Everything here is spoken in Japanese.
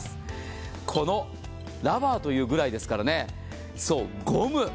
このラバーというぐらいですからねそうゴム！